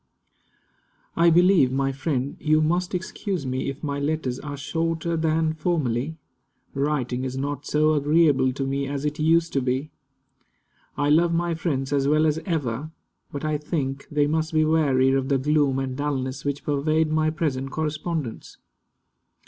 I believe, my friend, you must excuse me if my letters are shorter than formerly. Writing is not so agreeable to me as it used to be. I love my friends as well as ever, but I think they must be weary of the gloom and dulness which pervade my present correspondence.